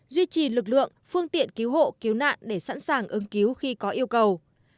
duy trì lực lượng phương tiện cứu hộ cứu nạn để sẵn sàng ứng cứu khi có yêu cầu